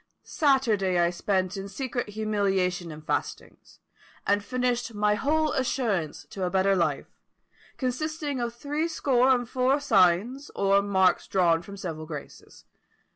Saturday I spent in secret humiliation and fastings, and finished my whole assurance to a better life, consisting of THREE SCORE and FOUR SIGNS, or marks drawn from several graces.